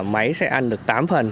máy sẽ ăn được tám phần